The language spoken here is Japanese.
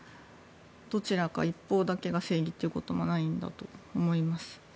どちらか一方だけが正義ということもないんだと思います。